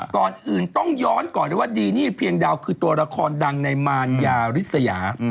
ก่อนอื่นต้องย้อนก่อนเลยว่าดีนี่เพียงดาวคือตัวละครดังในมารยาริสยา